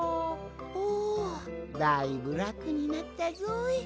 ほだいぶらくになったぞい！